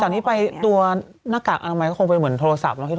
จากนี้ไปตัวหน้ากากอันโมงค์มัยก็คงเป็นเหมือนพนาศาสตร์เนอะ